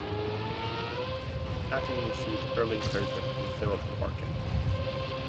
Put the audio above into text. Patten received early encouragement from Philip Larkin.